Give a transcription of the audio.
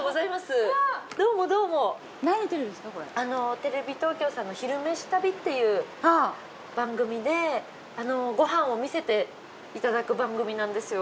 テレビ東京さんの「昼めし旅」っていう番組でご飯を見せていただく番組なんですよ。